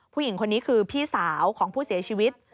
ผู้หญิงคนนี้คือพี่สาวของผู้เสียชีวิต